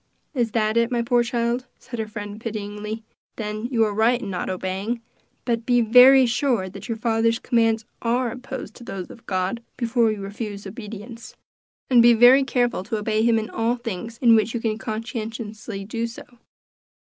"Is that it, my poor child?" said her friend pityingly. "Then you are right in not obeying; but be very sure that your father's commands are opposed to those of God, before you refuse obedience; and be very careful to obey him in all things in which you can conscientiously do so."